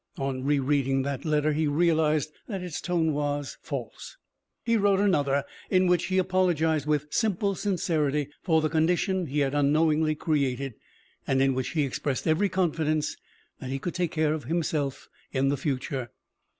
On rereading that letter he realized that its tone was false. He wrote another in which he apologized with simple sincerity for the condition he had unknowingly created, and in which he expressed every confidence that he could take care of himself in the future.